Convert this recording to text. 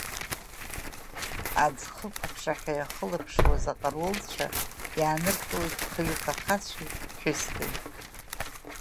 Аӡхықә аԥшаҳәа иахылаԥшуаз аҟарулцәа иааныркылеит хҩык ахацәеи ԥҳәыски!